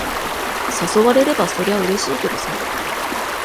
誘われれば、そりゃうれしいけどさ。